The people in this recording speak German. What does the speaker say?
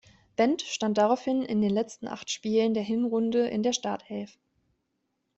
Wendt stand daraufhin in den letzten acht Spielen der Hinrunde in der Startelf.